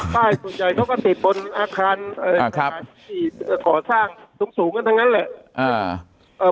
ส่วนใหญ่เขาก็ติดบนอาคารที่ก่อสร้างสูงกันทั้งนั้นแหละ